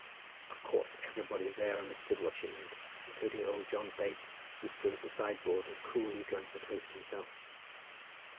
Of course everybody there understood what she meant, including old John Bates, who stood at the sideboard and coolly drank the toast himself.